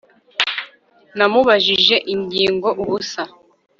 Namubajije ingingoubusa